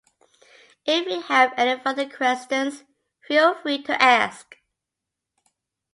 If you have any further questions, feel free to ask.